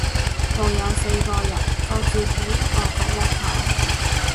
部有四個人，各自企一個角落頭